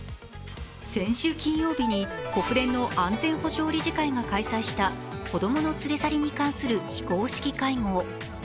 先週金曜日に国連の安全保障理事会が開催した子供の連れ去りに関する非公式会合。